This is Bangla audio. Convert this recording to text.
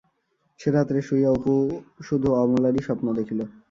সে রাত্রে শূইয়া অপু শুধু অমলারই স্বপ্ন দেখিল।